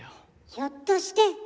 ひょっとして。